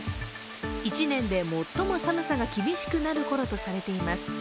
１年で最も寒さが厳しくなるころとされています。